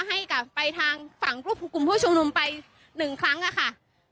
ให้กับไปทางฝั่งรูปของกลุ่มผู้ชมนมไปหนึ่งครั้งอ่ะค่ะ